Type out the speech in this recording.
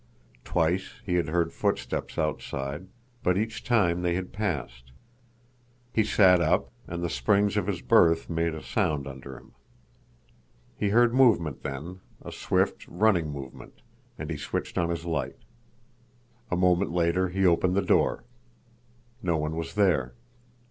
Twice he had heard footsteps outside, but each time they had passed. He sat up, and the springs of his berth made a sound under him. He heard movement then, a swift, running movement—and he switched on his light. A moment later he opened the door. No one was there.